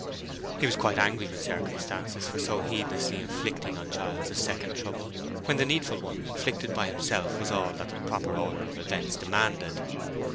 He was quite angry with circumstances for so heedlessly inflicting on Giles a second trouble when the needful one inflicted by himself was all that the proper order of events demanded.